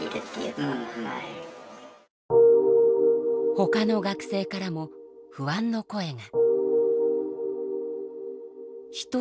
ほかの学生からも不安の声が。